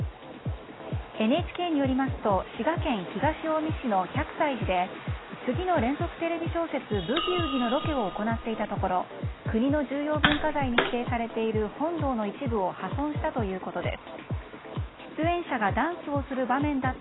ＮＨＫによりますと滋賀県東近江市の百済寺で次の連続テレビ小説「ブギウギ」のロケを行っていたところ国の重要文化財に指定されている本堂の一部を破損したということです。